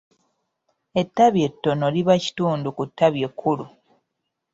Ettabi ettono liba kitundu ku ttabi ekkulu.